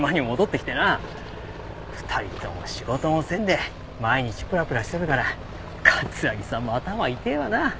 ２人とも仕事もせんで毎日プラプラしとるから桂木さんも頭痛えわな。